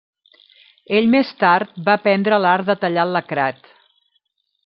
Ell més tard va aprendre l'art de tallar el lacrat.